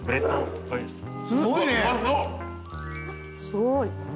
すごいね。